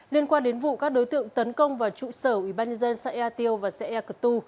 liên quan đến vụ các đối tượng tấn công vào trụ sở ubnd saeatio và saeatio